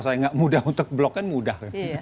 saya nggak mudah untuk blok kan mudah